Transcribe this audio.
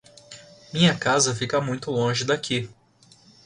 Minha casa fica muito longe daqui.